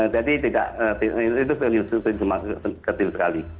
jadi itu terlalu sedikit sekali